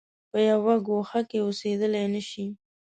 په یوه ګوښه کې اوسېدلای نه شي.